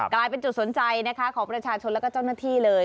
กลายเป็นจุดสนใจนะคะของประชาชนและเจ้าหน้าที่เลย